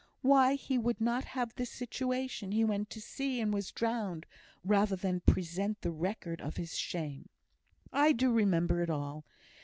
Why, he would not have the situation; he went to sea and was drowned, rather than present the record of his shame." "I do remember it all.